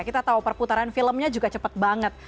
kita tahu perputaran filmnya juga cepet banget